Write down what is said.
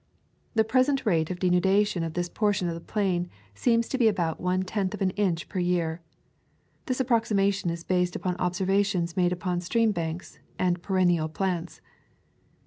The present rate of denudation of this portion of the plain seems to be about one tenth of an inch per year. This approximation is based upon observations made upon stream banks and perennial plants.